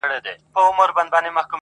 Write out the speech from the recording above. و غزل ته مي الهام سي ستا غزل غزل خبري,